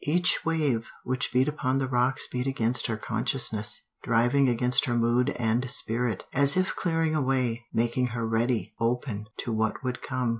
Each wave which beat upon the rocks beat against her consciousness, driving against her mood and spirit, as if clearing a way, making her ready, open, to what would come.